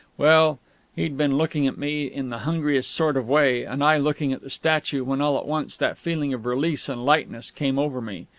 Well, he'd been looking at me in the hungriest sort of way, and I looking at the statue, when all at once that feeling of release and lightness came over me.